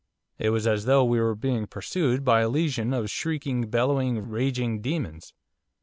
It was as though we were being pursued by a legion of shrieking, bellowing, raging demons.